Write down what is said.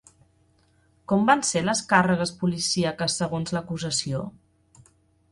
Com van ser les càrregues policíaques segons l'acusació?